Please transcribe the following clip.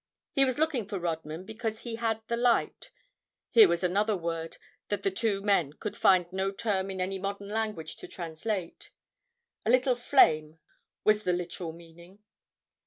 He was looking for Rodman because he had the light—here was another word that the two men could find no term in any modern language to translate; a little flame, was the literal meaning.